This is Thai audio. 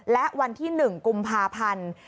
และวันที่๑กุมภาพันธ์